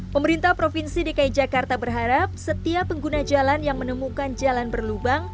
pemerintah provinsi dki jakarta berharap setiap pengguna jalan yang menemukan jalan berlubang